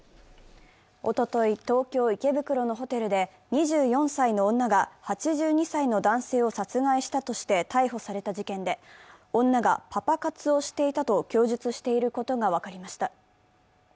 おととい、東京・池袋のホテルで、２４歳の女が８２歳の男性を殺害したとして逮捕された事件で、女がパパ活をしていたと供述していることが分かりました。